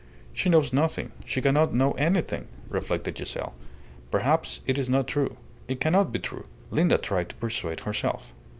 "She knows nothing. She cannot know any thing," reflected Giselle. "Perhaps it is not true. It cannot be true," Linda tried to persuade herself.